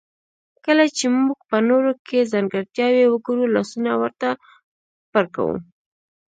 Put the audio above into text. کله چې موږ په نورو کې ځانګړتياوې وګورو لاسونه ورته پړکوو.